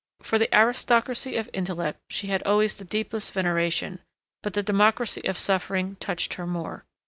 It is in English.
For the aristocracy of intellect she had always the deepest veneration, but the democracy of suffering touched her more.